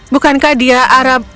bukankah dia arab